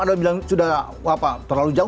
ada yang bilang sudah apa terlalu jauh